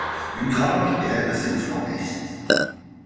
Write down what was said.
Une grange est adossée au flanc est.